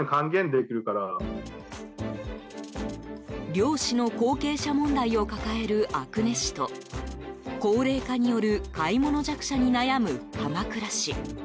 漁師の後継者問題を抱える阿久根市と高齢化による買い物弱者に悩む鎌倉市。